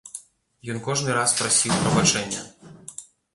Ён кожны раз прасіў прабачэння.